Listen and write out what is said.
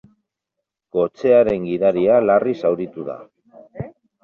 Kotxearen gidaria larri zauritu da.